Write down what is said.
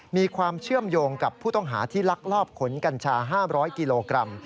มีความเชื่อมโยงกับผู้ต้องหาที่ลักลอบขนกัญชา๕๐๐กิโลกรัม